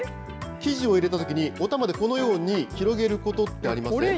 生地を入れたときに、おたまでこのように広げることってあります